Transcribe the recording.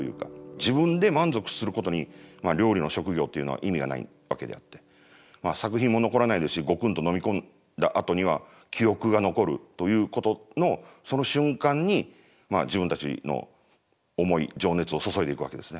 自分で満足することに料理の職業っていうのは意味がないわけであって作品も残らないですしゴクンと飲み込んだあとには記憶が残るということのその瞬間に自分たちの思い情熱を注いでいくわけですね。